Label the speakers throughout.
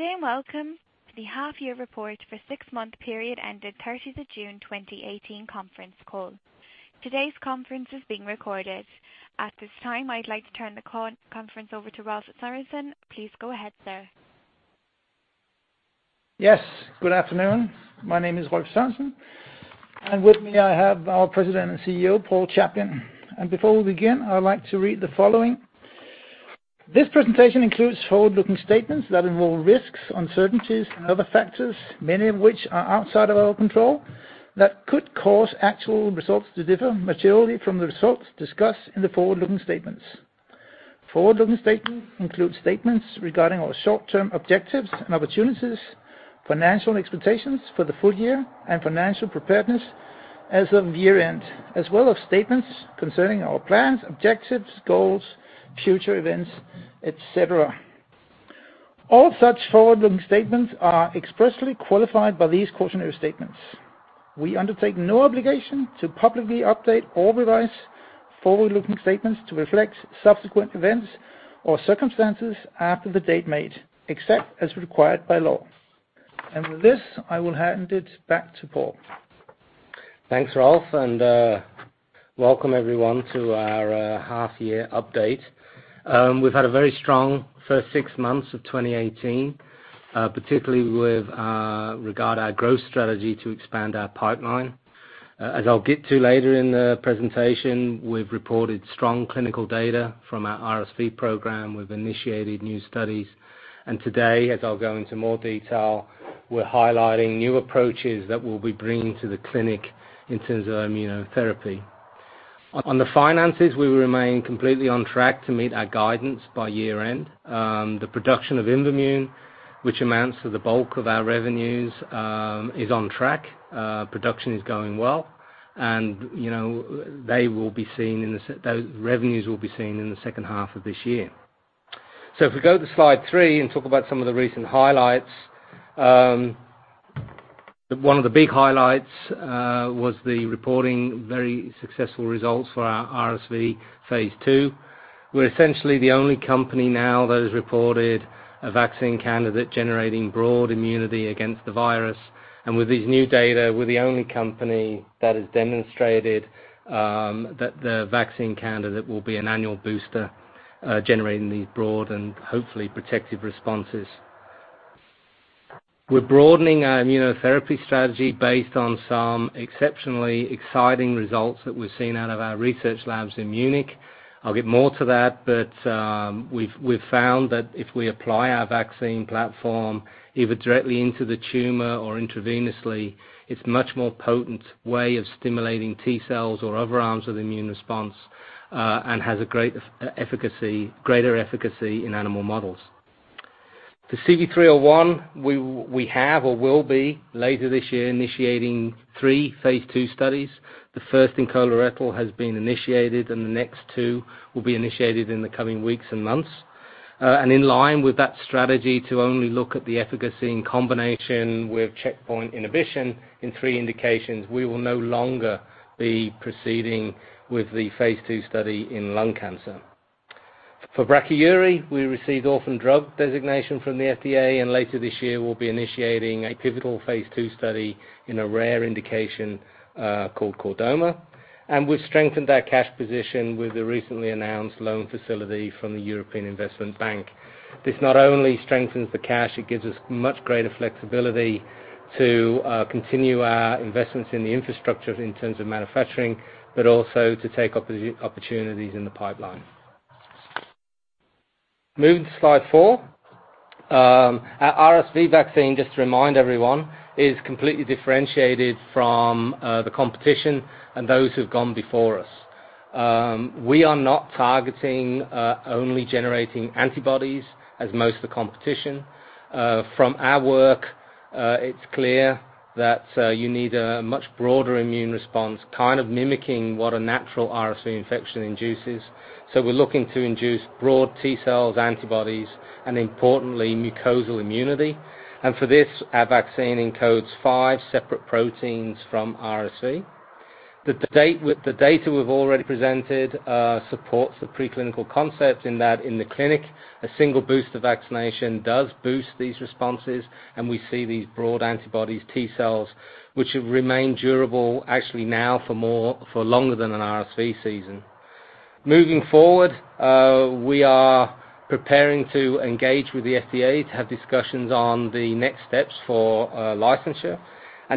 Speaker 1: Good day. Welcome to the half-year report for six-month period ended thirtieth of June 2018 conference call. Today's conference is being recorded. At this time, I'd like to turn the call conference over to Rolf Sørensen. Please go ahead, sir.
Speaker 2: Yes, good afternoon. My name is Rolf Sass Sørensen, and with me, I have our President and CEO, Paul Chaplin. Before we begin, I would like to read the following. This presentation includes forward-looking statements that involve risks, uncertainties, and other factors, many of which are outside of our control, that could cause actual results to differ materially from the results discussed in the forward-looking statements. Forward-looking statements include statements regarding our short-term objectives and opportunities, financial expectations for the full year, and financial preparedness as of year-end, as well as statements concerning our plans, objectives, goals, future events, et cetera. All such forward-looking statements are expressly qualified by these cautionary statements. We undertake no obligation to publicly update or revise forward-looking statements to reflect subsequent events or circumstances after the date made, except as required by law. With this, I will hand it back to Paul.
Speaker 3: Thanks, Rolf, welcome everyone to our half-year update. We've had a very strong first six months of 2018, particularly with regard to our growth strategy to expand our pipeline. As I'll get to later in the presentation, we've reported strong clinical data from our RSV program, we've initiated new studies, and today, as I'll go into more detail, we're highlighting new approaches that we'll be bringing to the clinic in terms of immunotherapy. On the finances, we will remain completely on track to meet our guidance by year-end. The production of IMVAMUNE, which amounts to the bulk of our revenues, is on track. Production is going well, and, you know, they will be seen in those revenues will be seen in the second half of this year. If we go to slide 3 and talk about some of the recent highlights. One of the big highlights was the reporting very successful results for our RSV phase II. We're essentially the only company now that has reported a vaccine candidate generating broad immunity against the virus, and with these new data, we're the only company that has demonstrated that the vaccine candidate will be an annual booster, generating these broad and hopefully protective responses. We're broadening our immunotherapy strategy based on some exceptionally exciting results that we've seen out of our research labs in Munich. I'll get more to that but we've found that if we apply our vaccine platform either directly into the tumor or intravenously, it's much more potent way of stimulating T-cells or other arms of the immune response and has a great efficacy, greater efficacy in animal models. For CV301, we have or will be, later this year, initiating 3 phase II studies. The first in colorectal has been initiated, and the next 2 will be initiated in the coming weeks and months. In line with that strategy to only look at the efficacy in combination with checkpoint inhibition in 3 indications, we will no longer be proceeding with the phase II study in lung cancer. For brachyury, we received orphan drug designation from the FDA. Later this year, we'll be initiating a pivotal phase II study in a rare indication, called chordoma. We've strengthened our cash position with the recently announced loan facility from the European Investment Bank. This not only strengthens the cash, it gives us much greater flexibility to continue our investments in the infrastructure in terms of manufacturing, but also to take opportunities in the pipeline. Moving to slide 4. Our RSV vaccine, just to remind everyone, is completely differentiated from the competition and those who've gone before us. We are not targeting only generating antibodies, as most of the competition. From our work, it's clear that you need a much broader immune response, kind of mimicking what a natural RSV infection induces. We're looking to induce broad T-cells, antibodies, and importantly, mucosal immunity. For this, our vaccine encodes five separate proteins from RSV. The data we've already presented supports the preclinical concept in that in the clinic, a single booster vaccination does boost these responses, and we see these broad antibodies, T-cells, which have remained durable actually now for longer than an RSV season. Moving forward, we are preparing to engage with the FDA to have discussions on the next steps for licensure.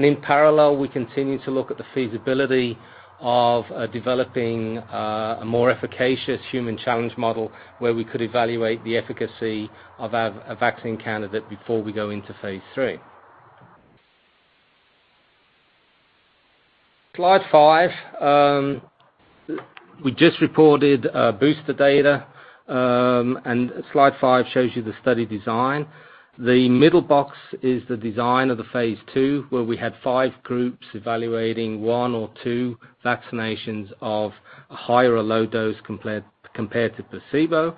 Speaker 3: In parallel, we continue to look at the feasibility of developing a more efficacious human challenge model, where we could evaluate the efficacy of a vaccine candidate before we go into phase III. Slide 5, we just reported booster data, and Slide 5 shows you the study design. The middle box is the design of the phase II, where we had 5 groups evaluating 1 or 2 vaccinations of a higher or low dose compared to placebo.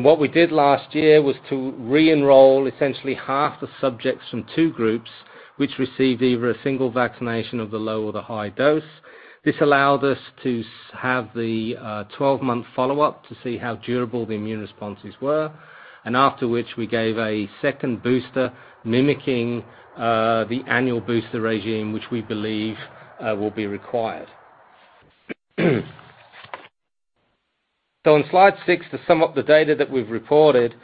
Speaker 3: What we did last year was to re-enroll essentially half the subjects from 2 groups which received either a single vaccination of the low or the high dose. This allowed us to have the 12-month follow-up to see how durable the immune responses were, and after which we gave a second booster, mimicking the annual booster regime, which we believe will be required. On Slide 6, to sum up the data that we've reported,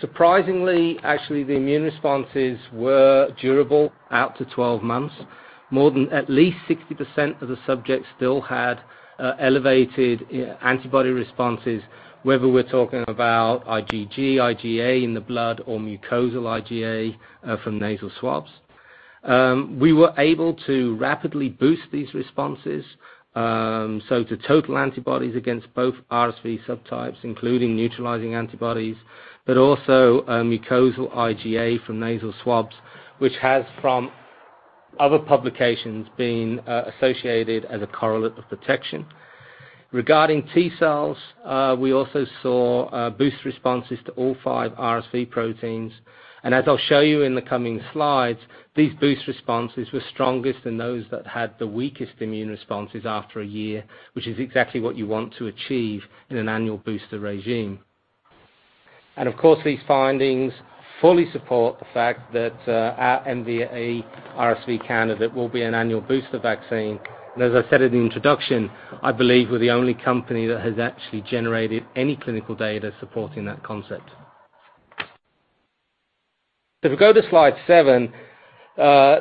Speaker 3: surprisingly, actually, the immune responses were durable out to 12 months. More than at least 60% of the subjects still had elevated antibody responses, whether we're talking about IgG, IgA in the blood or mucosal IgA from nasal swabs. We were able to rapidly boost these responses so to total antibodies against both RSV subtypes, including neutralizing antibodies, but also mucosal IgA from nasal swabs, which has, from other publications, been associated as a correlate of protection. Regarding T cells, we also saw boost responses to all 5 RSV proteins. As I'll show you in the coming slides, these boost responses were strongest than those that had the weakest immune responses after a year, which is exactly what you want to achieve in an annual booster regime. Of course, these findings fully support the fact that our MVA-BN-RSV candidate will be an annual booster vaccine. As I said in the introduction, I believe we're the only company that has actually generated any clinical data supporting that concept. If we go to Slide 7,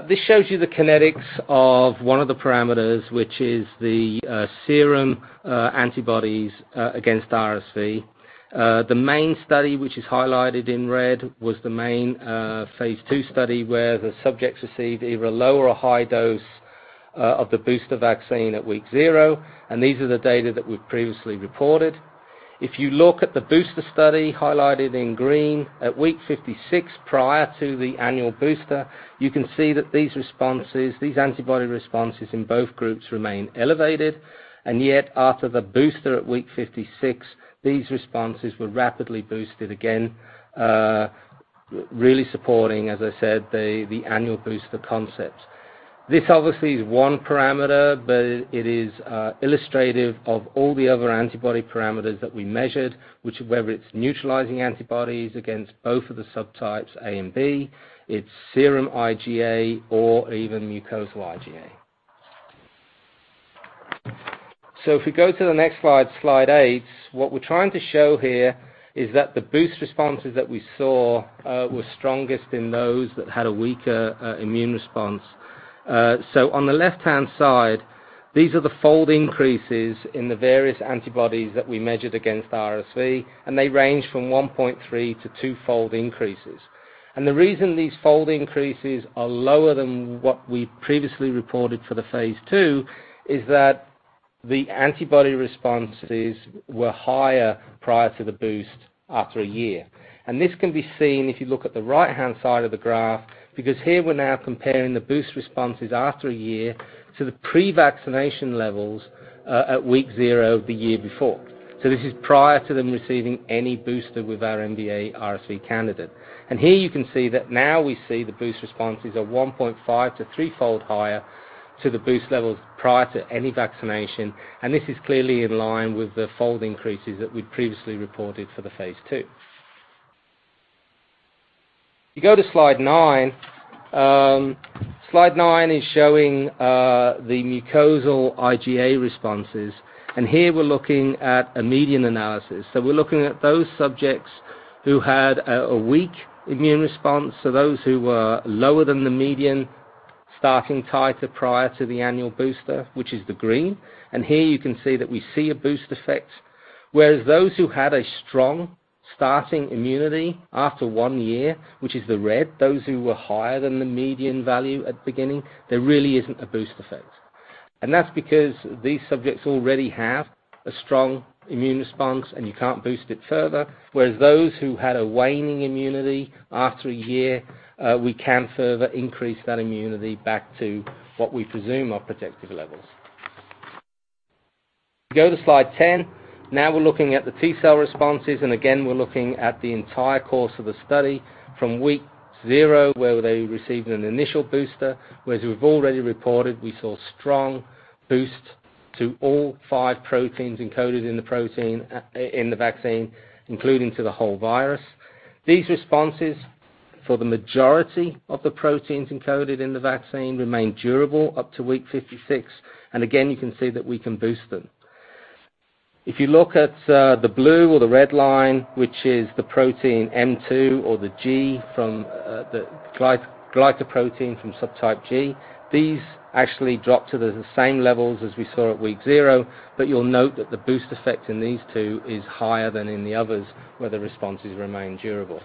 Speaker 3: this shows you the kinetics of one of the parameters, which is the serum antibodies against RSV. The main study, which is highlighted in red, was the main phase II study, where the subjects received either a low or a high dose of the booster vaccine at week 0, and these are the data that we've previously reported. If you look at the booster study highlighted in green, at week 56, prior to the annual booster, you can see that these responses, these antibody responses in both groups remain elevated, and yet after the booster at week 56, these responses were rapidly boosted again, really supporting, as I said, the annual booster concept. This obviously is one parameter, but it is illustrative of all the other antibody parameters that we measured, which whether it's neutralizing antibodies against both of the subtypes, A and B, it's serum IgA or even mucosal IgA. If we go to the next slide, Slide 8, what we're trying to show here is that the boost responses that we saw, were strongest in those that had a weaker immune response. On the left-hand side, these are the fold increases in the various antibodies that we measured against RSV, and they range from 1.3 to 2-fold increases. The reason these fold increases are lower than what we previously reported for the phase II, is that the antibody responses were higher prior to the boost after a year. This can be seen if you look at the right-hand side of the graph, because here we're now comparing the boost responses after a year to the pre-vaccination levels at week 0 the year before. This is prior to them receiving any booster with our MVA-BN-RSV candidate. Here you can see that now we see the boost responses are 1.5- to 3-fold higher to the boost levels prior to any vaccination. This is clearly in line with the fold increases that we'd previously reported for the phase II. If you go to Slide 9, Slide 9 is showing the mucosal IgA responses. Here we're looking at a median analysis. We're looking at those subjects who had a weak immune response, so those who were lower than the median starting titer prior to the annual booster, which is the green. Here you can see that we see a boost effect, whereas those who had a strong starting immunity after 1 year, which is the red, those who were higher than the median value at the beginning, there really isn't a boost effect. That's because these subjects already have a strong immune response, and you can't boost it further. Whereas those who had a waning immunity after a year, we can further increase that immunity back to what we presume are protective levels. Go to Slide 10. Now we're looking at the T cell responses, and again, we're looking at the entire course of the study from week zero, where they received an initial booster. Whereas we've already reported, we saw strong boost to all five proteins encoded in the protein in the vaccine, including to the whole virus. These responses, for the majority of the proteins encoded in the vaccine, remain durable up to week 56, and again, you can see that we can boost them. If you look at the blue or the red line, which is the protein M2 or the G from the glycoprotein from subtype G, these actually drop to the same levels as we saw at week zero. You'll note that the boost effect in these two is higher than in the others, where the responses remain durable.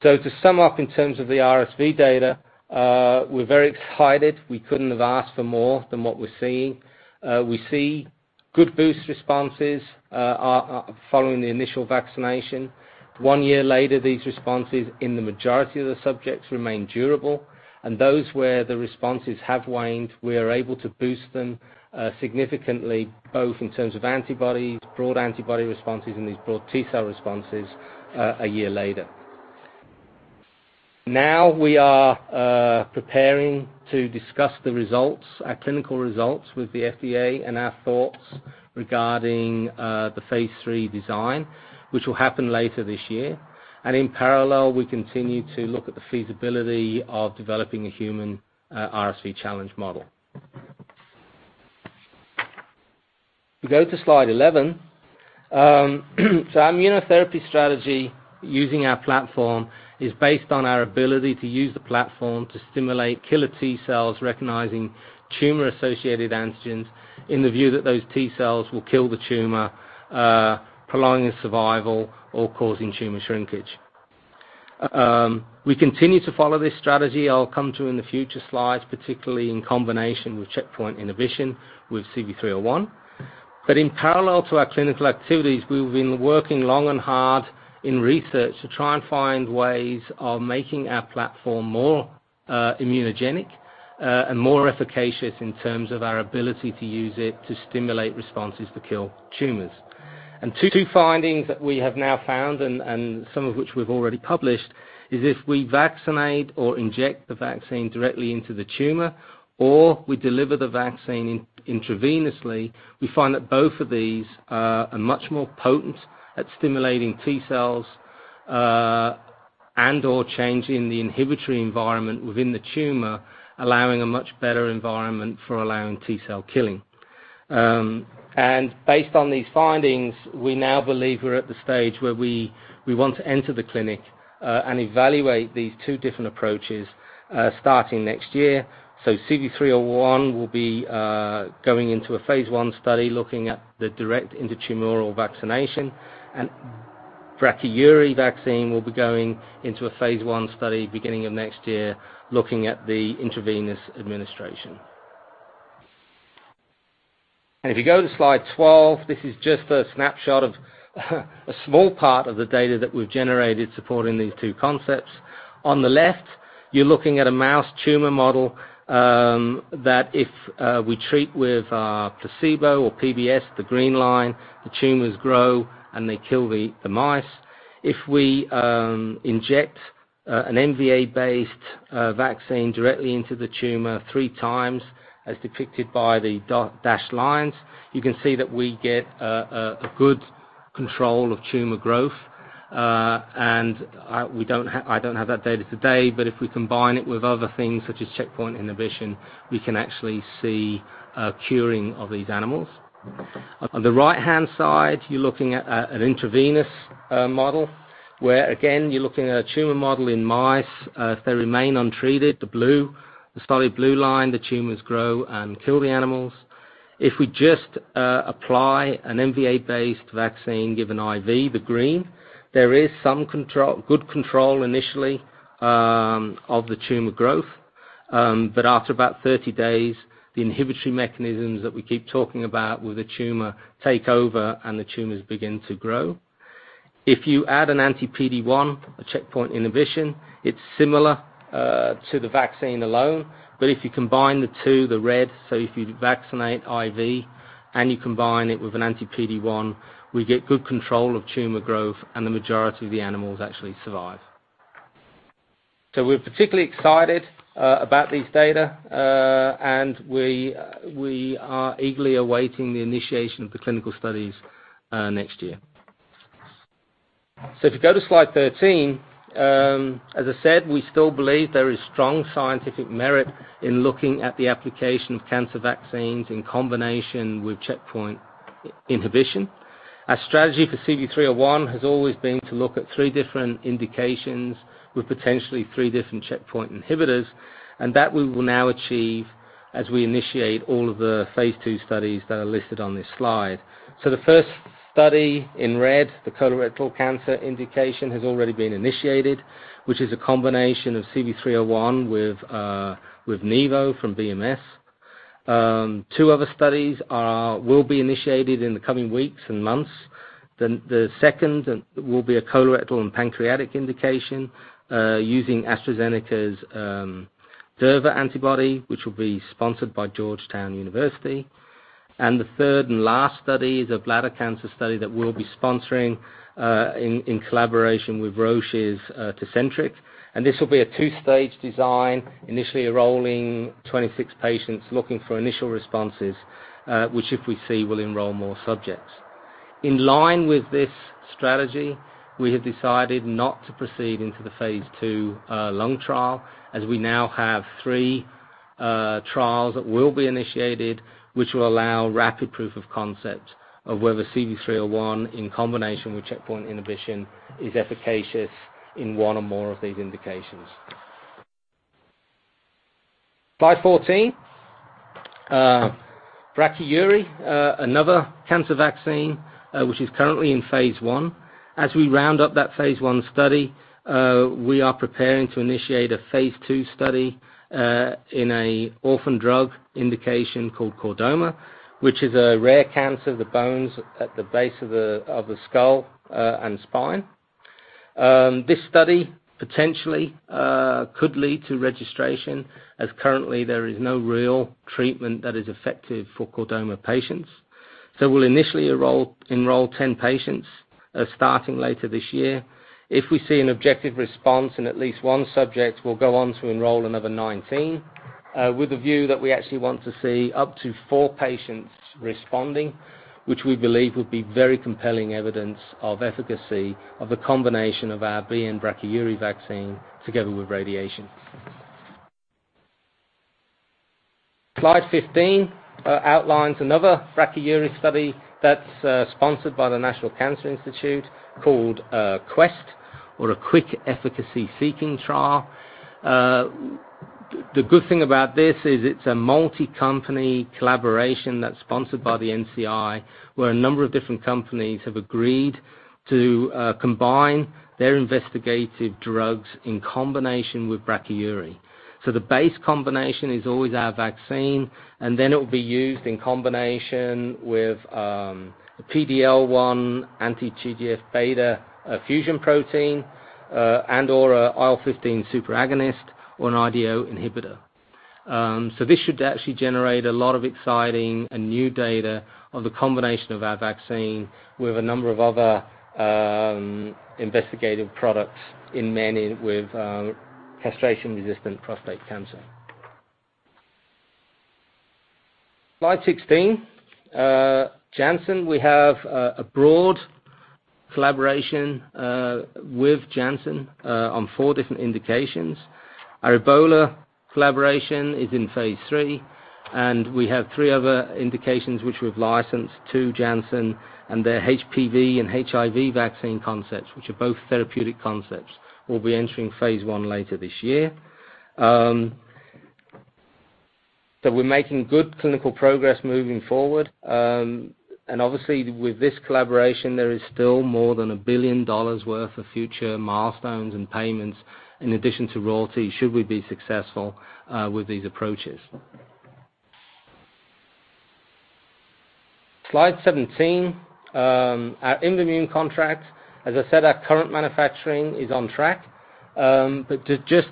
Speaker 3: To sum up in terms of the RSV data, we're very excited. We couldn't have asked for more than what we're seeing. We see good boost responses following the initial vaccination. One year later, these responses in the majority of the subjects remain durable. Those where the responses have waned, we are able to boost them significantly, both in terms of antibodies, broad antibody responses, and these broad T cell responses a year later. Now we are preparing to discuss the results, our clinical results, with the FDA and our thoughts regarding the phase III design, which will happen later this year. In parallel, we continue to look at the feasibility of developing a human RSV challenge model. If you go to slide 11, our immunotherapy strategy using our platform is based on our ability to use the platform to stimulate killer T cells, recognizing tumor-associated antigens in the view that those T cells will kill the tumor, prolonging survival or causing tumor shrinkage. We continue to follow this strategy. I'll come to in the future slides, particularly in combination with checkpoint inhibition with CV301. In parallel to our clinical activities, we've been working long and hard in research to try and find ways of making our platform more immunogenic and more efficacious in terms of our ability to use it to stimulate responses to kill tumors. Two findings that we have now found, and some of which we've already published, is if we vaccinate or inject the vaccine directly into the tumor, or we deliver the vaccine intravenously, we find that both of these are much more potent at stimulating T cells and/or changing the inhibitory environment within the tumor, allowing a much better environment for allowing T cell killing. Based on these findings, we now believe we're at the stage where we want to enter the clinic and evaluate these two different approaches starting next year. CV301 will be going into a phase I study, looking at the direct intratumoral vaccination, and brachyury vaccine will be going into a phase I study beginning of next year, looking at the intravenous administration. If you go to slide 12, this is just a snapshot of a small part of the data that we've generated supporting these two concepts. On the left, you're looking at a mouse tumor model that if we treat with placebo or PBS, the green line, the tumors grow, and they kill the mice. If we inject an MVA-based vaccine directly into the tumor three times, as depicted by the dot-dash lines, you can see that we get a good control of tumor growth, and I don't have that data today, but if we combine it with other things, such as checkpoint inhibition, we can actually see a curing of these animals. On the right-hand side, you're looking at an intravenous model, where again, you're looking at a tumor model in mice. If they remain untreated, the blue, the solid blue line, the tumors grow and kill the animals. If we just apply an MVA-based vaccine, given IV, the green, there is some control, good control initially, of the tumor growth. After about 30 days, the inhibitory mechanisms that we keep talking about with the tumor take over, and the tumors begin to grow. If you add an anti-PD-1, a checkpoint inhibition, it's similar to the vaccine alone. If you combine the two, the red, if you vaccinate IV and you combine it with an anti-PD-1, we get good control of tumor growth, and the majority of the animals actually survive. We're particularly excited about these data, and we are eagerly awaiting the initiation of the clinical studies next year. If you go to slide 13, as I said, we still believe there is strong scientific merit in looking at the application of cancer vaccines in combination with checkpoint inhibition. Our strategy for CV301 has always been to look at 3 different indications with potentially 3 different checkpoint inhibitors, and that we will now achieve as we initiate all of the phase II studies that are listed on this slide. The first study in red, the colorectal cancer indication, has already been initiated, which is a combination of CV301 with Nivo from BMS. Two other studies will be initiated in the coming weeks and months. The second will be a colorectal and pancreatic indication, using AstraZeneca's durva antibody, which will be sponsored by Georgetown University. The third and last study is a bladder cancer study that we'll be sponsoring in collaboration with Roche's Tecentriq. This will be a two-stage design, initially enrolling 26 patients, looking for initial responses, which, if we see, we'll enroll more subjects. In line with this strategy, we have decided not to proceed into the phase II lung trial, as we now have 3 trials that will be initiated, which will allow rapid proof of concept of whether CV301 in combination with checkpoint inhibition is efficacious in one or more of these indications. Slide 14, brachyury, another cancer vaccine, which is currently in phase I. As we round up that phase I study, we are preparing to initiate a phase II study, in a orphan drug indication called chordoma, which is a rare cancer of the bones at the base of the skull, and spine.... This study potentially could lead to registration, as currently there is no real treatment that is effective for chordoma patients. We'll initially enroll 10 patients starting later this year. If we see an objective response in at least 1 subject, we'll go on to enroll another 19 with a view that we actually want to see up to 4 patients responding, which we believe would be very compelling evidence of efficacy of a combination of our BN-Brachyury vaccine together with radiation. Slide 15 outlines another brachyury study that's sponsored by the National Cancer Institute, called QUEST, or a Quick Efficacy Seeking Trial. The good thing about this is it's a multi-company collaboration that's sponsored by the NCI, where a number of different companies have agreed to combine their investigative drugs in combination with brachyury. The base combination is always our vaccine, and then it will be used in combination with a PDL-1, anti-TGF beta, a fusion protein, and/or an IL-15 superagonist or an IDO inhibitor. This should actually generate a lot of exciting and new data on the combination of our vaccine with a number of other investigative products in men with castration-resistant prostate cancer. Slide 16. Janssen, we have a broad collaboration with Janssen on four different indications. Our Ebola collaboration is in phase III, and we have three other indications which we've licensed to Janssen, and their HPV and HIV vaccine concepts, which are both therapeutic concepts, will be entering phase one later this year. We're making good clinical progress moving forward, and obviously, with this collaboration, there is still more than $1 billion worth of future milestones and payments, in addition to royalties, should we be successful with these approaches. Slide 17. Our IMVAMUNE contract, as I said, our current manufacturing is on track. To just,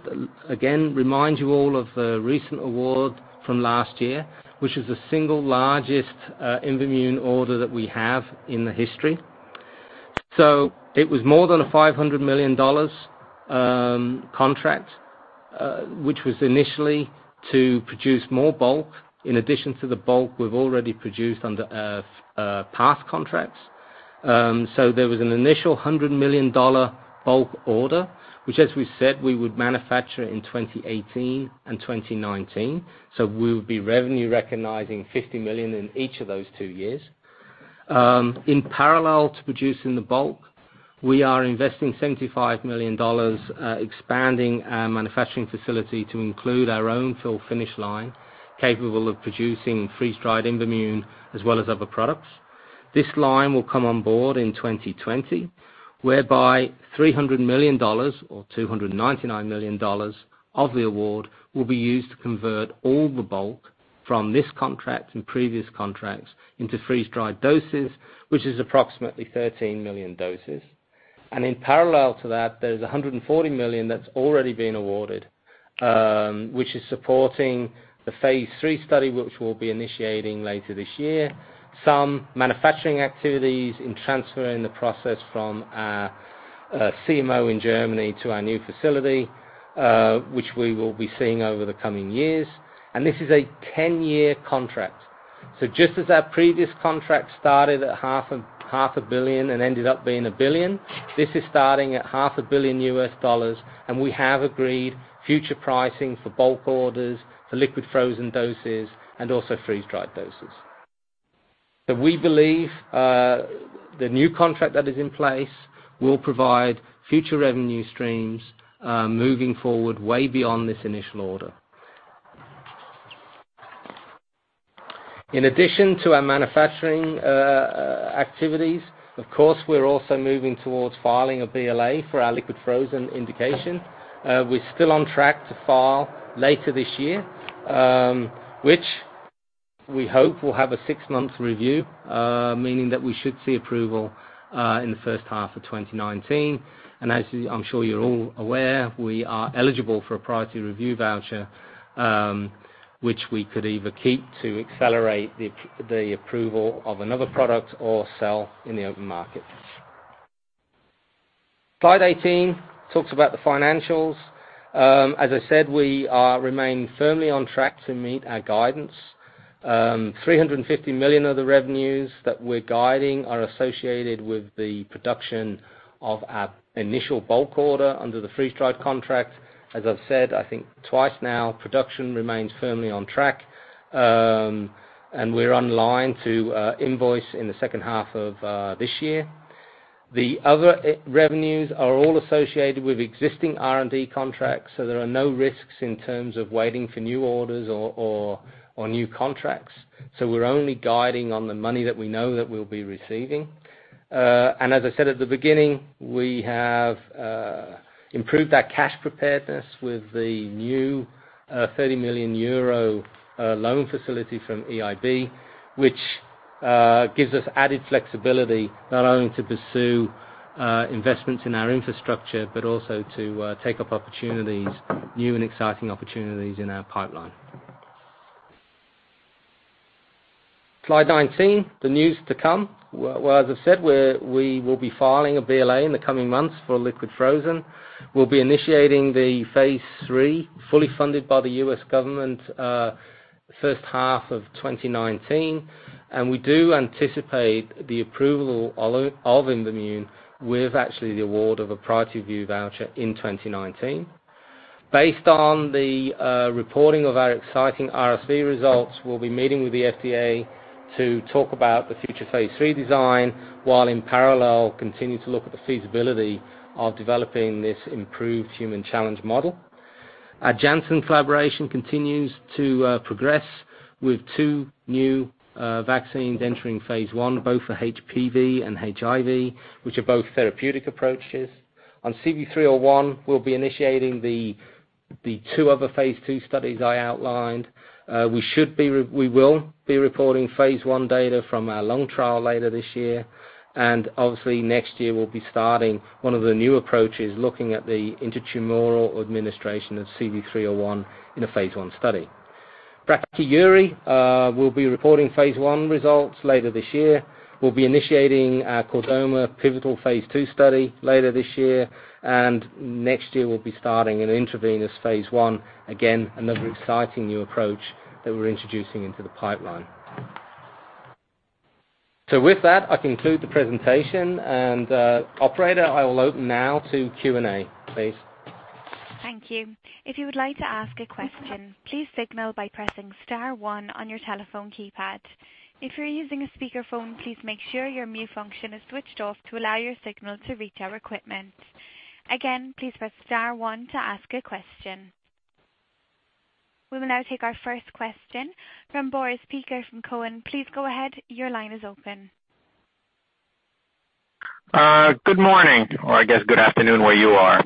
Speaker 3: again, remind you all of the recent award from last year, which is the single largest IMVAMUNE order that we have in the history. It was more than a $500 million contract, which was initially to produce more bulk, in addition to the bulk we've already produced under past contracts. There was an initial $100 million bulk order, which, as we said, we would manufacture in 2018 and 2019. We would be revenue recognizing $50 million in each of those two years. In parallel to producing the bulk, we are investing $75 million, expanding our manufacturing facility to include our own fill finish line, capable of producing freeze-dried IMVAMUNE as well as other products. This line will come on board in 2020, whereby $300 million, or $299 million of the award, will be used to convert all the bulk from this contract and previous contracts into freeze-dried doses, which is approximately 13 million doses. In parallel to that, there's $140 million that's already been awarded, which is supporting the phase III study, which we'll be initiating later this year. Some manufacturing activities in transferring the process from our CMO in Germany to our new facility, which we will be seeing over the coming years. This is a 10-year contract. Just as our previous contract started at half a billion and ended up being a billion, this is starting at half a billion US dollars, and we have agreed future pricing for bulk orders, for liquid frozen doses, and also freeze-dried doses. We believe the new contract that is in place will provide future revenue streams, moving forward way beyond this initial order. In addition to our manufacturing activities, of course, we're also moving towards filing a BLA for our liquid frozen indication. We're still on track to file later this year, which we hope will have a 6-month review, meaning that we should see approval in the first half of 2019. As I'm sure you're all aware, we are eligible for a priority review voucher, which we could either keep to accelerate the approval of another product or sell in the open market. Slide 18 talks about the financials. As I said, we remain firmly on track to meet our guidance. 350 million of the revenues that we're guiding are associated with the production of our initial bulk order under the freeze-dried contract. As I've said, I think twice now, production remains firmly on track, and we're on line to invoice in the second half of this year. The other revenues are all associated with existing R&D contracts. There are no risks in terms of waiting for new orders or new contracts. We're only guiding on the money that we know that we'll be receiving. As I said at the beginning, we have improved our cash preparedness with the new 30 million euro loan facility from EIB, which gives us added flexibility, not only to pursue investments in our infrastructure, but also to take up opportunities, new and exciting opportunities in our pipeline. Slide 19, the news to come. Well, as I said, we will be filing a BLA in the coming months for liquid frozen. We'll be initiating the phase III, fully funded by the U.S. government, first half of 2019. We do anticipate the approval of IMVAMUNE with actually the award of a priority review voucher in 2019. Based on the reporting of our exciting RSV results, we'll be meeting with the FDA to talk about the future phase III design, while in parallel, continue to look at the feasibility of developing this improved human challenge model. Our Janssen collaboration continues to progress with 2 new vaccines entering phase I, both for HPV and HIV, which are both therapeutic approaches. On CV301, we'll be initiating the 2 other phase II studies I outlined. We will be reporting phase I data from our lung trial later this year. Obviously next year, we'll be starting one of the new approaches, looking at the intratumoral administration of CV301 in a phase I study. Brachyury, we'll be reporting phase I results later this year. We'll be initiating our chordoma pivotal phase II study later this year. Next year, we'll be starting an intravenous phase I. Again, another exciting new approach that we're introducing into the pipeline. With that, I conclude the presentation. Operator, I will open now to Q&A, please.
Speaker 1: Thank you. If you would like to ask a question, please signal by pressing star one on your telephone keypad. If you're using a speakerphone, please make sure your mute function is switched off to allow your signal to reach our equipment. Again, please press star one to ask a question. We will now take our first question from Boris Peaker from Cowen. Please go ahead. Your line is open.
Speaker 4: Good morning, or I guess good afternoon, where you are.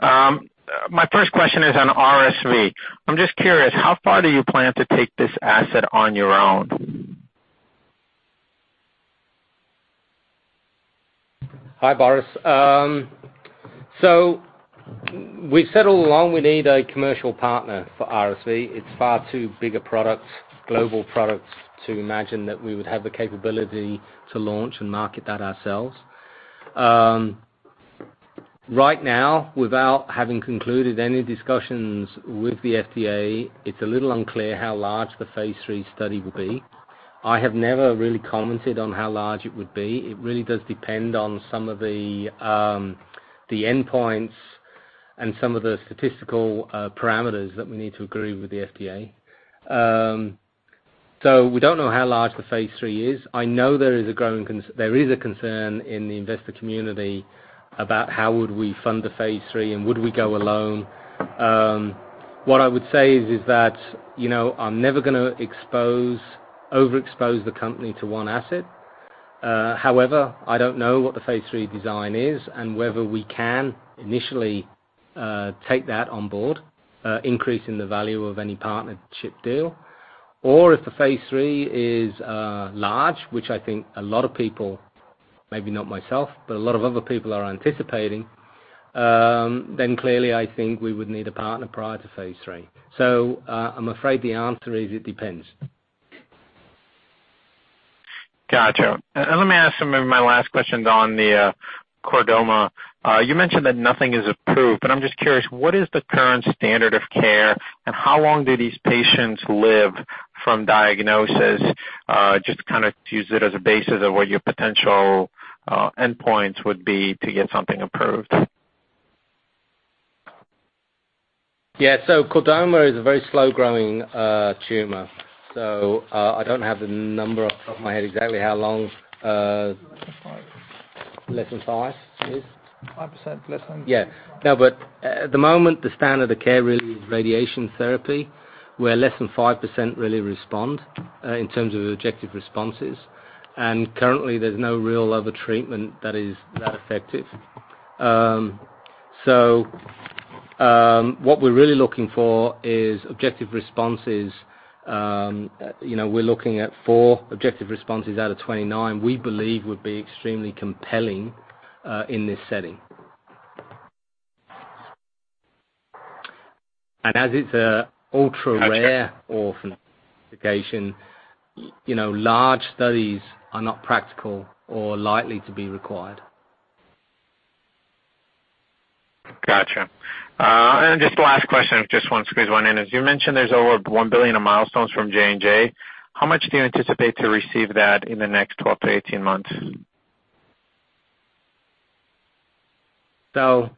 Speaker 4: My first question is on RSV. I'm just curious, how far do you plan to take this asset on your own?
Speaker 3: Hi, Boris. We've said all along, we need a commercial partner for RSV. It's far too big a product, global product, to imagine that we would have the capability to launch and market that ourselves. Right now, without having concluded any discussions with the FDA, it's a little unclear how large the phase III study will be. I have never really commented on how large it would be. It really does depend on some of the endpoints and some of the statistical parameters that we need to agree with the FDA. We don't know how large the phase III is. I know there is a growing concern in the investor community about how would we fund the phase III, and would we go alone? What I would say is, you know, I'm never gonna expose, overexpose the company to one asset. However, I don't know what the phase III design is, and whether we can initially take that on board, increasing the value of any partnership deal. If the phase III is large, which I think a lot of people, maybe not myself, but a lot of other people are anticipating, clearly, I think we would need a partner prior to phase III. I'm afraid the answer is, it depends.
Speaker 4: Gotcha. Let me ask some of my last questions on the chordoma. You mentioned that nothing is approved, I'm just curious, what is the current standard of care, and how long do these patients live from diagnosis? Just to kind of use it as a basis of what your potential endpoints would be to get something approved.
Speaker 3: Yeah. Chordoma is a very slow-growing tumor. I don't have the number off the top of my head, exactly how long.
Speaker 2: Less than five.
Speaker 3: Less than five, it is?
Speaker 2: 5% less than.
Speaker 3: Yeah. At the moment, the standard of care really is radiation therapy, where less than 5% really respond in terms of objective responses. Currently, there's no real other treatment that is that effective. What we're really looking for is objective responses. You know, we're looking at 4 objective responses out of 29, we believe would be extremely compelling in this setting. As it's ultra-rare orphan application, you know, large studies are not practical or likely to be required.
Speaker 4: Gotcha. Just the last question, I just want to squeeze one in. As you mentioned, there's over $1 billion of milestones from J&J. How much do you anticipate to receive that in the next 12 to 18 months?
Speaker 3: You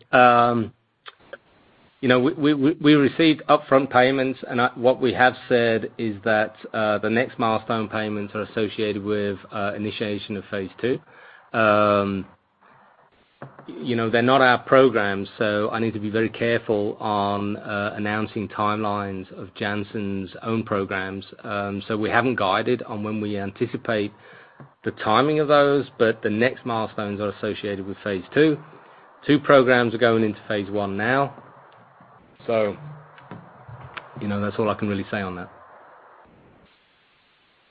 Speaker 3: know, we received upfront payments, and what we have said is that the next milestone payments are associated with initiation of phase II. You know, they're not our programs, so I need to be very careful on announcing timelines of Janssen's own programs. We haven't guided on when we anticipate the timing of those, but the next milestones are associated with phase III. Two programs are going into phase I now. You know, that's all I can really say on that.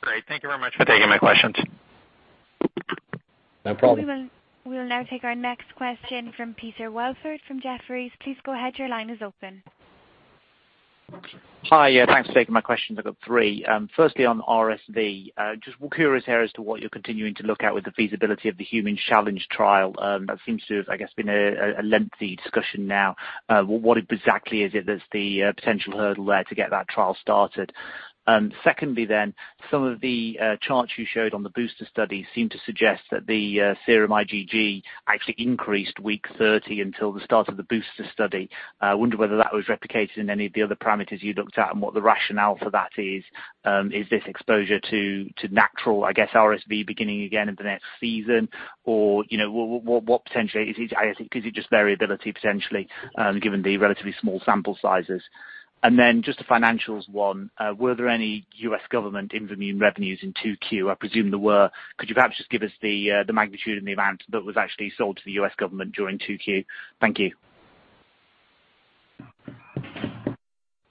Speaker 4: Great. Thank you very much for taking my questions.
Speaker 3: No problem.
Speaker 1: We will now take our next question from Peter Welford from Jefferies. Please go ahead. Your line is open.
Speaker 5: Hi. Yeah, thanks for taking my questions. I've got 3. Firstly, on RSV, just we're curious here as to what you're continuing to look at with the feasibility of the human challenge trial. That seems to have, I guess, been a lengthy discussion now. What exactly is it that's the potential hurdle there to get that trial started? Secondly, then, some of the charts you showed on the booster study seem to suggest that the serum IgG actually increased week 30 until the start of the booster study. I wonder whether that was replicated in any of the other parameters you looked at and what the rationale for that is. Is this exposure to natural, I guess, RSV beginning again in the next season, or, you know, what potentially is it? I think, is it just variability potentially, given the relatively small sample sizes? Just a financials one, were there any U.S. government IMVAMUNE revenues in 2Q? I presume there were. Could you perhaps just give us the magnitude and the amount that was actually sold to the U.S. government during 2Q? Thank you.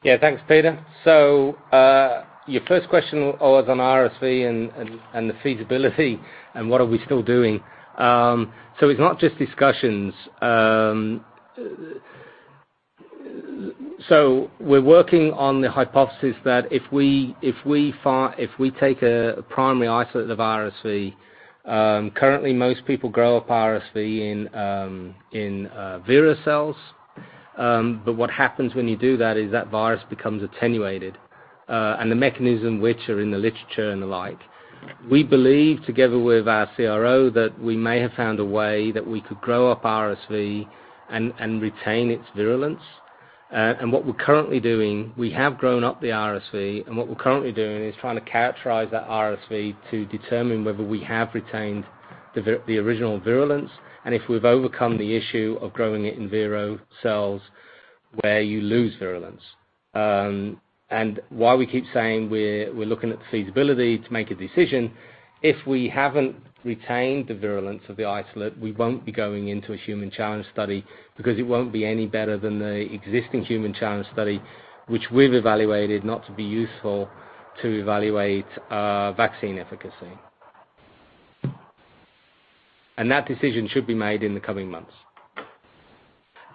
Speaker 3: Yeah, thanks, Peter. Your first question was on RSV and the feasibility and what are we still doing. It's not just discussions. We're working on the hypothesis that if we take a primary isolate of the RSV, currently most people grow up RSV in Vero cells. What happens when you do that is that virus becomes attenuated and the mechanism which are in the literature and the like. We believe, together with our CRO, that we may have found a way that we could grow up RSV and retain its virulence. What we're currently doing, we have grown up the RSV, and what we're currently doing is trying to characterize that RSV to determine whether we have retained the original virulence, and if we've overcome the issue of growing it in Vero cells, where you lose virulence. While we keep saying we're looking at the feasibility to make a decision, if we haven't retained the virulence of the isolate, we won't be going into a human challenge study because it won't be any better than the existing human challenge study, which we've evaluated not to be useful to evaluate vaccine efficacy. That decision should be made in the coming months.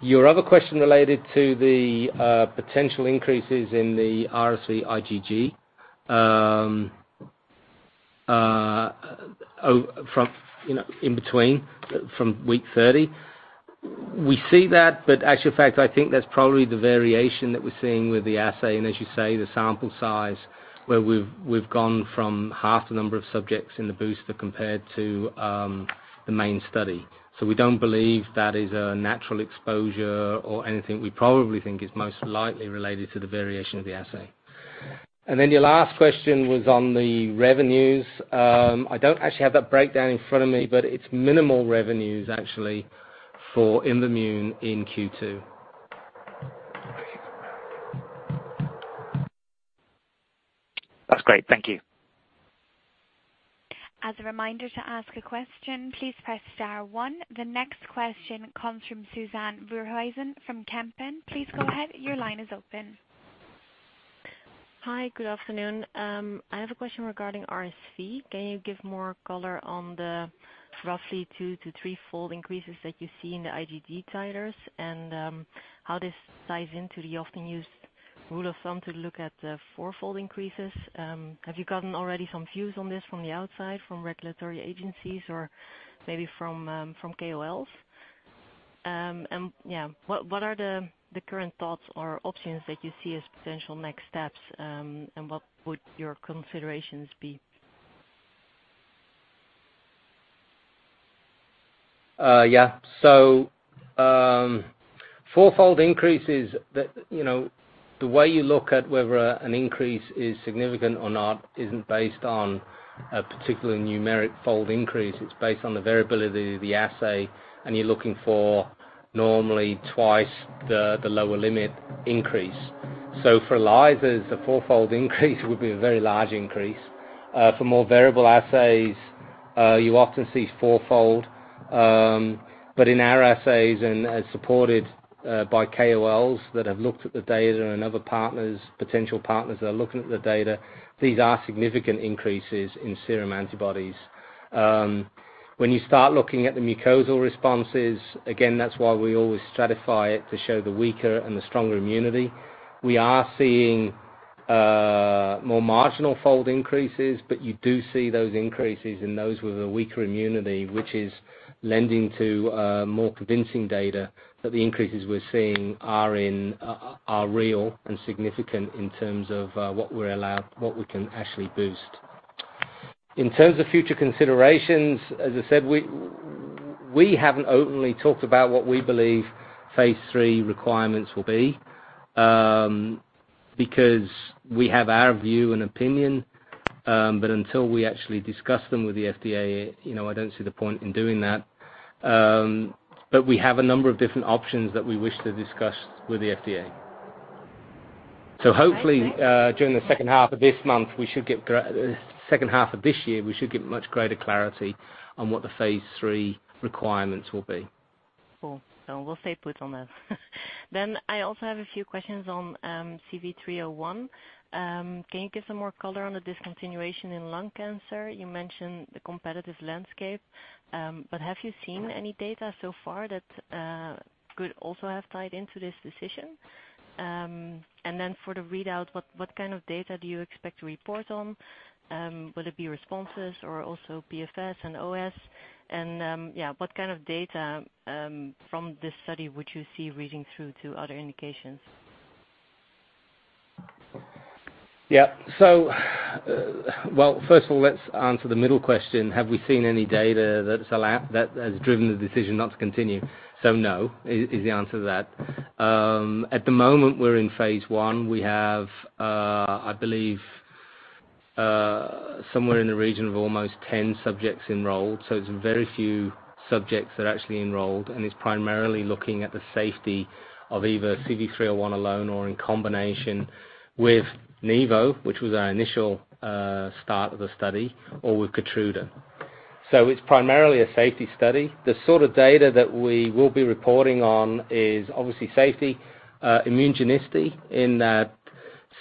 Speaker 3: Your other question related to the potential increases in the RSV IgG from, you know, in between from week 30. We see that, but actual fact, I think that's probably the variation that we're seeing with the assay, and as you say, the sample size, where we've gone from half the number of subjects in the booster compared to the main study. We don't believe that is a natural exposure or anything. We probably think it's most likely related to the variation of the assay. Your last question was on the revenues. I don't actually have that breakdown in front of me, but it's minimal revenues, actually, for IMVAMUNE in Q2.
Speaker 5: That's great. Thank you.
Speaker 1: As a reminder, to ask a question, please press star one. The next question comes from Suzanne Voorthuizen from Kempen. Please go ahead. Your line is open.
Speaker 6: Hi, good afternoon. I have a question regarding RSV. Can you give more color on the roughly 2- to 3-fold increases that you see in the IgG titers, and how this ties into the often-used rule of thumb to look at the 4-fold increases? Have you gotten already some views on this from the outside, from regulatory agencies, or maybe from KOLs? What are the current thoughts or options that you see as potential next steps, and what would your considerations be?
Speaker 3: Yeah. Fourfold increases that, you know, the way you look at whether an increase is significant or not, isn't based on a particular numeric fold increase. It's based on the variability of the assay, and you're looking for normally twice the lower limit increase. For ELISAs, a fourfold increase would be a very large increase. For more variable assays, you often see fourfold. In our assays, and as supported by KOLs that have looked at the data and other partners, potential partners that are looking at the data, these are significant increases in serum antibodies. When you start looking at the mucosal responses, again, that's why we always stratify it to show the weaker and the stronger immunity. We are seeing, more marginal fold increases, but you do see those increases in those with a weaker immunity, which is lending to, more convincing data that the increases we're seeing are real and significant in terms of, what we're allowed, what we can actually boost. In terms of future considerations, as I said, we haven't openly talked about what we believe phase III requirements will be, because we have our view and opinion, but until we actually discuss them with the FDA, you know, I don't see the point in doing that. We have a number of different options that we wish to discuss with the FDA. Hopefully, during the second half of this year, we should get much greater clarity on what the phase III requirements will be.
Speaker 6: Cool. We'll stay put on that. I also have a few questions on CV301. Can you give some more color on the discontinuation in lung cancer? You mentioned the competitive landscape, but have you seen any data so far that could also have tied into this decision? For the readout, what kind of data do you expect to report on? Will it be responses or also PFS and OS? Yeah, what kind of data from this study would you see reading through to other indications?
Speaker 3: Well, first of all, let's answer the middle question: Have we seen any data that has driven the decision not to continue? No, is the answer to that. At the moment, we're in phase I. We have, I believe, somewhere in the region of almost 10 subjects enrolled, so it's very few subjects that are actually enrolled, and it's primarily looking at the safety of either CV301 alone or in combination with Nivo, which was our initial start of the study or with Keytruda. It's primarily a safety study. The sort of data that we will be reporting on is obviously safety, immunogenicity.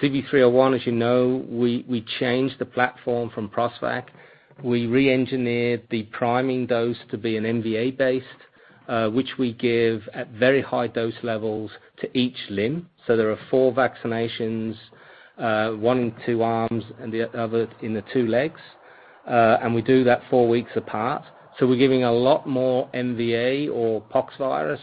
Speaker 3: In that CV301, as you know, we changed the platform from Prostvac. We reengineered the priming dose to be an MVA-based, which we give at very high dose levels to each limb. There are 4 vaccinations, one in 2 arms and the other in the 2 legs. We do that 4 weeks apart. We're giving a lot more MVA or pox virus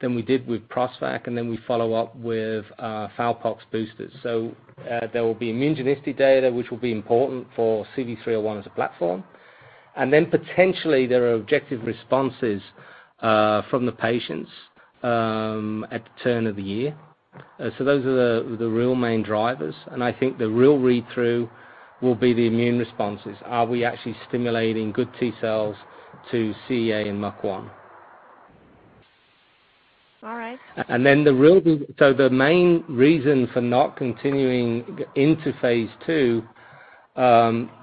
Speaker 3: than we did with Prostvac, then we follow up with Fowlpox boosters. There will be immunogenicity data, which will be important for CV301 as a platform. Then potentially, there are objective responses from the patients at the turn of the year. Those are the real main drivers, and I think the real read-through will be the immune responses. Are we actually stimulating good T-cells to CEA and MUC-1?
Speaker 6: All right.
Speaker 3: The main reason for not continuing into phase II,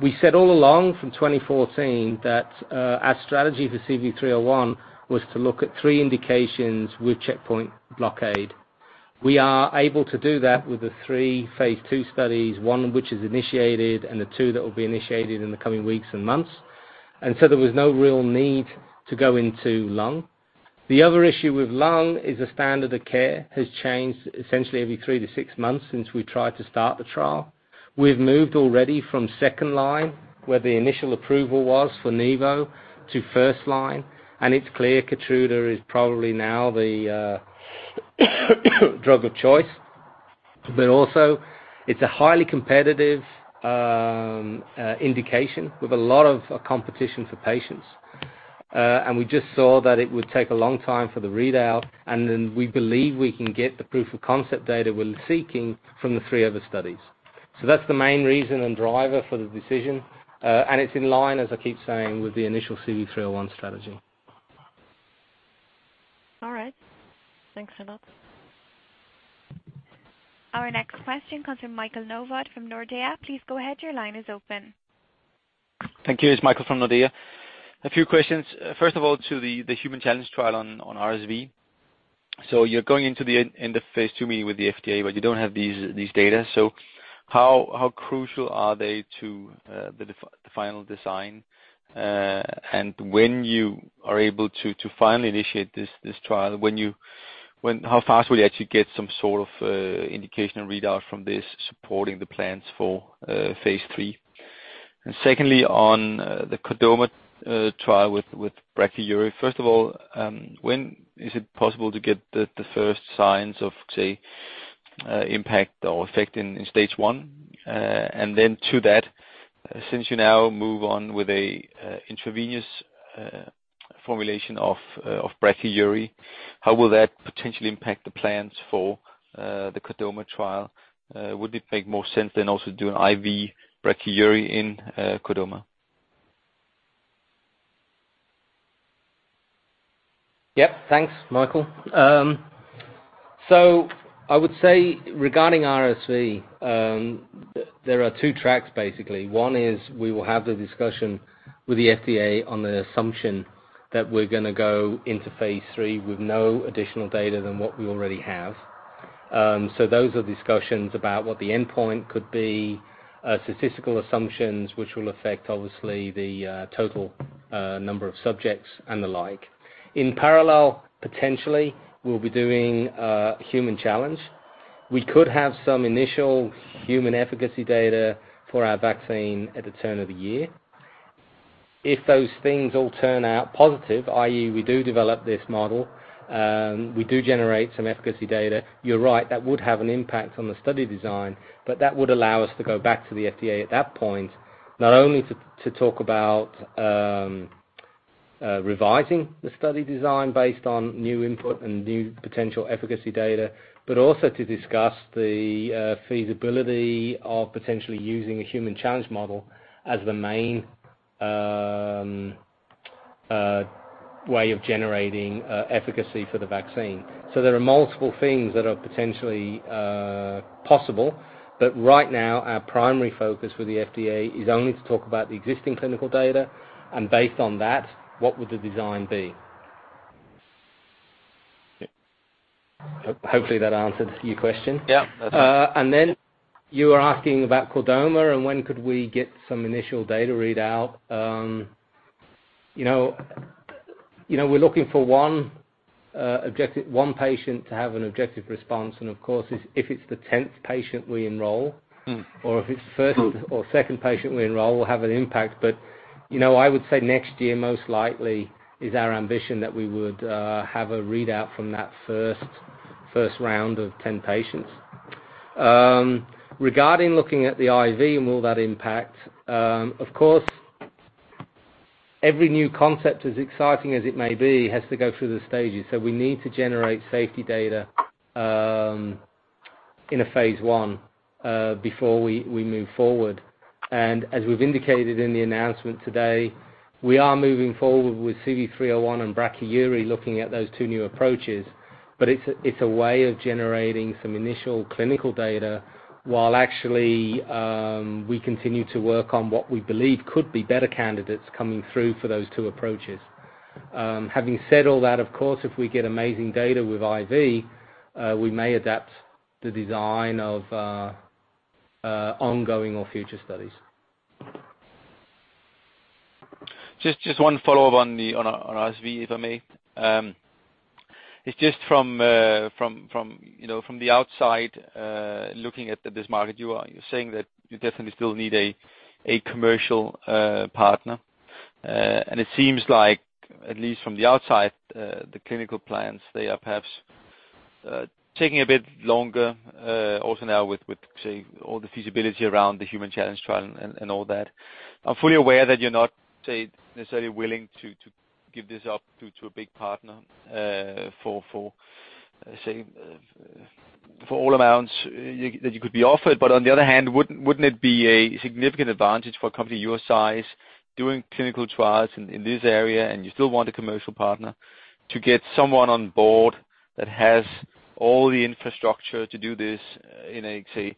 Speaker 3: we said all along from 2014 that our strategy for CV301 was to look at 3 indications with checkpoint blockade. We are able to do that with the 3 phase II studies, 1 which is initiated and the 2 that will be initiated in the coming weeks and months. There was no real need to go into lung. The other issue with lung is the standard of care has changed essentially every 3-6 months since we tried to start the trial. We've moved already from second line, where the initial approval was for Nivo, to first line, and it's clear Keytruda is probably now the drug of choice. Also, it's a highly competitive indication with a lot of competition for patients. We just saw that it would take a long time for the readout, and then we believe we can get the proof of concept data we're seeking from the three other studies. That's the main reason and driver for the decision, and it's in line, as I keep saying, with the initial CV301 strategy.
Speaker 6: All right. Thanks a lot.
Speaker 1: Our next question comes from Michael Novod from Nordea. Please go ahead. Your line is open.
Speaker 7: Thank you. It's Michael from Nordea. A few questions. To the human challenge trial on RSV. You're going into the end of phase II meeting with the FDA, but you don't have these data. How crucial are they to the final design? When you are able to finally initiate this trial, How fast will you actually get some sort of indication and readout from this, supporting the plans for phase III? Secondly, on the chordoma trial with BN-Brachyury. When is it possible to get the first signs of, say, impact or effect in stage 1? To that, since you now move on with a intravenous formulation of BN-Brachyury, how will that potentially impact the plans for the chordoma trial? Would it make more sense than also doing IV BN-Brachyury in chordoma?
Speaker 3: Yep. Thanks, Michael. I would say, regarding RSV, there are two tracks basically. One is we will have the discussion with the FDA on the assumption that we're going to go into phase III with no additional data than what we already have. Those are discussions about what the endpoint could be, statistical assumptions, which will affect, obviously, the total number of subjects and the like. In parallel, potentially, we'll be doing a human challenge. We could have some initial human efficacy data for our vaccine at the turn of the year. If those things all turn out positive, i.e., we do develop this model, we do generate some efficacy data, you're right, that would have an impact on the study design, but that would allow us to go back to the FDA at that point, not only to talk about revising the study design based on new input and new potential efficacy data, but also to discuss the feasibility of potentially using a human challenge model as the main way of generating efficacy for the vaccine. There are multiple things that are potentially possible, but right now, our primary focus with the FDA is only to talk about the existing clinical data, and based on that, what would the design be? Hopefully, that answered your question.
Speaker 7: Yeah.
Speaker 3: You were asking about chordoma and when could we get some initial data readout? You know, you know, we're looking for 1 patient to have an objective response, and of course, if it's the 10th patient we enroll... If it's first or second patient we enroll, will have an impact. You know, I would say next year, most likely, is our ambition, that we would have a readout from that first round of 10 patients. Regarding looking at the IV and will that impact? Of course, every new concept, as exciting as it may be, has to go through the stages. We need to generate safety data in a phase I before we move forward. As we've indicated in the announcement today, we are moving forward with CV301 and BN-Brachyury, looking at those two new approaches. It's a way of generating some initial clinical data while actually we continue to work on what we believe could be better candidates coming through for those two approaches. Having said all that, of course, if we get amazing data with IV, we may adapt the design of ongoing or future studies.
Speaker 7: Just one follow-up on the RSV, if I may. It's just from, you know, from the outside, looking at this market, you are saying that you definitely still need a commercial partner. It seems like, at least from the outside, the clinical plans, they are perhaps taking a bit longer, also now with, say, all the feasibility around the human challenge trial and all that. I'm fully aware that you're not, say, necessarily willing to give this up to a big partner, for, say, for all amounts that you could be offered. On the other hand, wouldn't it be a significant advantage for a company your size, doing clinical trials in this area, and you still want a commercial partner, to get someone on board that has all the infrastructure to do this in a, say,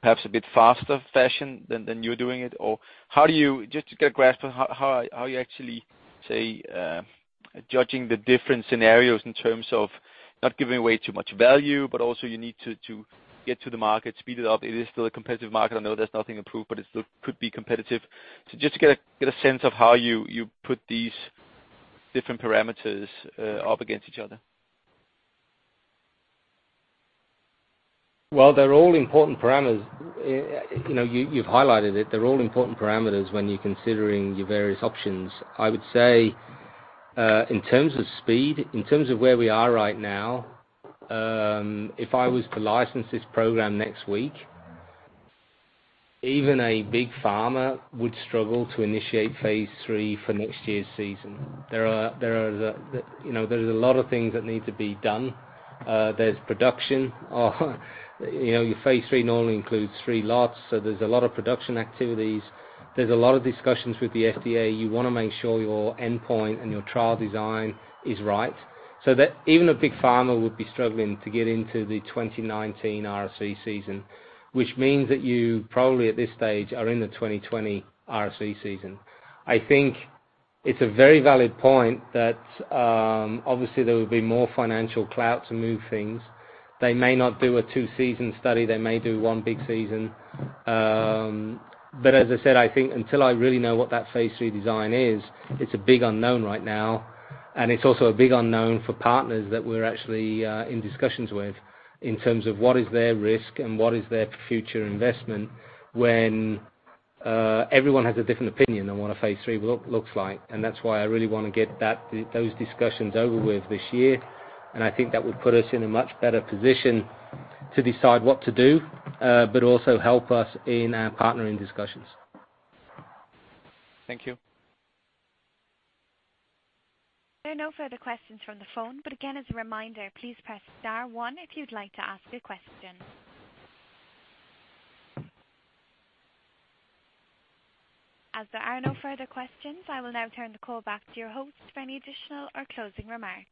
Speaker 7: perhaps a bit faster fashion than you're doing it? How do you just to get a grasp on how you actually say, judging the different scenarios in terms of not giving away too much value, but also you need to get to the market, speed it up? It is still a competitive market. I know there's nothing approved, but it still could be competitive. Just to get a sense of how you put these different parameters up against each other?
Speaker 3: Well, they're all important parameters. You know, you've highlighted it. They're all important parameters when you're considering your various options. I would say, in terms of speed, in terms of where we are right now, if I was to license this program next week, even a big pharma would struggle to initiate phase III for next year's season. There are, you know, there's a lot of things that need to be done. There's production. You know, your phase III normally includes 3 lots, so there's a lot of production activities. There's a lot of discussions with the FDA. You want to make sure your endpoint and your trial design is right. That even a big pharma would be struggling to get into the 2019 RSV season, which means that you probably, at this stage, are in the 2020 RSV season. I think it's a very valid point that, obviously there will be more financial clout to move things. They may not do a 2-season study. They may do one big season. As I said, I think until I really know what that phase III design is, it's a big unknown right now, and it's also a big unknown for partners that we're actually in discussions with, in terms of what is their risk and what is their future investment, when everyone has a different opinion on what a phase III looks like. That's why I really want to get that, those discussions over with this year. I think that would put us in a much better position to decide what to do, but also help us in our partnering discussions.
Speaker 7: Thank you.
Speaker 1: There are no further questions from the phone, but again, as a reminder, please press star one if you'd like to ask a question. As there are no further questions, I will now turn the call back to your host for any additional or closing remarks.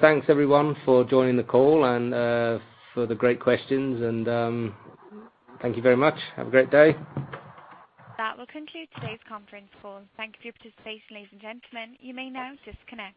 Speaker 3: Thanks, everyone, for joining the call and for the great questions, and thank you very much. Have a great day.
Speaker 1: That will conclude today's conference call. Thank you for your participation, ladies and gentlemen. You may now disconnect.